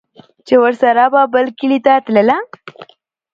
چې ورسره به بل کلي ته تلله